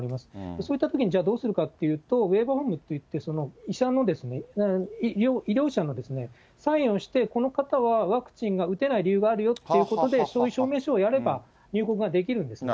そういったときにじゃあどうするかというと、っていって、医者の、医療者のですね、サインをして、この方はワクチンが打てない理由があるよということで、そういう証明書をやれば入国ができるんですね。